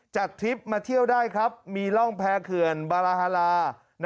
ทริปมาเที่ยวได้ครับมีร่องแพ้เขื่อนบาราฮาลา